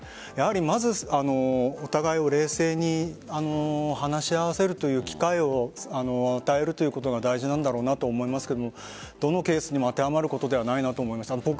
まずはお互いを冷静に話し合わせるという機会を与えるということが大事なんだろうなと思いますがこのケースにも当てはまることではないなと思いました。